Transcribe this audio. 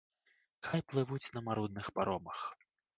Хай плывуць на марудных паромах.